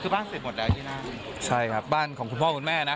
คือบ้านปิดหมดแล้วที่นั่นใช่ครับบ้านของคุณพ่อคุณแม่นะ